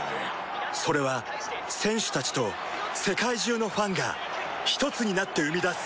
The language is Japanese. それは選手たちと世界中のファンがひとつになって生み出す